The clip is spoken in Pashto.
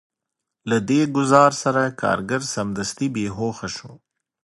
له دې ګزار سره کارګر سمدستي بې هوښه شو